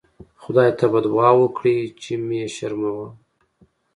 خدای ته به دوعا وکړئ چې مه شرموه.